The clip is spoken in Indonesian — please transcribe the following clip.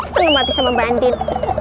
setengah mati sama mbak andin